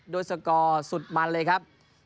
สกอร์สุดมันเลยครับ